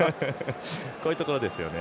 こういうところですよね